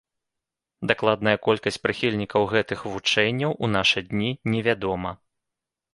Дакладная колькасць прыхільнікаў гэтых вучэнняў у нашы дні не вядома.